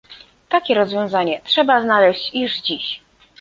Takie rozwiązanie trzeba znaleźć już dziś